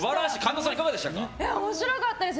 面白かったです。